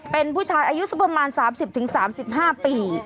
เป็นผู้ชายอายุสักประมาณ๓๐๓๕ปี